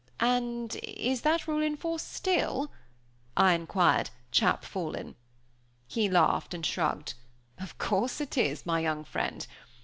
"And is that rule in force still?" I inquired, chapfallen. He laughed and shrugged, "Of course it is, my young friend.